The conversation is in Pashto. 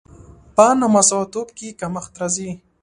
په نامساواتوب کې کمښت راځي.